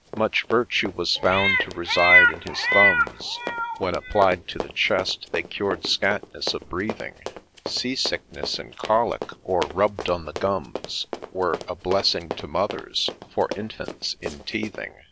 Much virtue was found to reside in his thumbs ; When applied to the chest they cured scantness of breathing, Sea sickness, and cholic ; or, rubb'd on the gums, Were ' A blessing to Mothers,' for infants in teething.